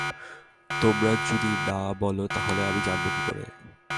তোমরা যদি না বিল, তাহলে আমি জানব কী করে?